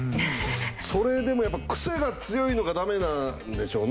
それでもやっぱクセが強いのがダメなんでしょうね。